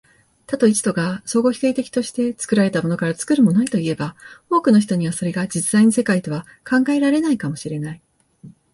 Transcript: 多と一とが相互否定的として、作られたものから作るものへといえば、多くの人にはそれが実在の世界とは考えられないかも知れない。